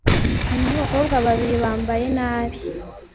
Hanyuma abakobwa babiri bambaye nabi